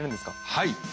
はい。